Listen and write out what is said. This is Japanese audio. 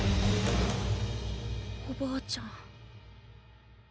おばあちゃん。